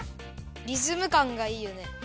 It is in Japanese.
リズムかんがいいよね。